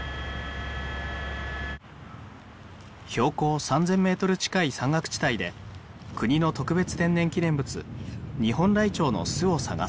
標高３０００メートル近い山岳地帯で国の特別天然記念物ニホンライチョウの巣を探す。